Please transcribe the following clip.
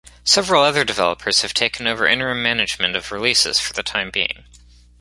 Several other developers have taken over interim management of releases for the time being.